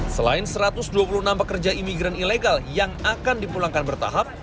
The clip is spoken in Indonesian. selain satu ratus dua puluh enam pekerja imigran ilegal yang akan dipulangkan bertahap